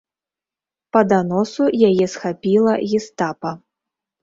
Па даносу яе схапіла гестапа.